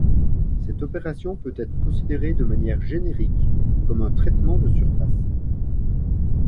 Cette opération peut être considérée de manière générique comme un traitement de surface.